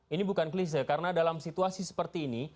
ini bukan klise karena dalam situasi seperti ini